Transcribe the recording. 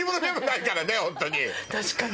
確かに。